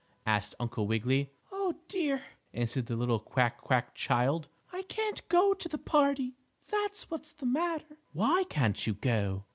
asked Uncle Wiggily. "Oh, dear!" answered the little quack quack child. "I can't go to the party; that's what's the matter." "Why can't you go?"